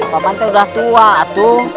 paman teh udah tua atu